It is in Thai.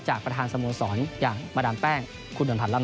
จากประธานสโมงศรอย่างมดรแป้งคุณดนทันร่ำ๓ครับ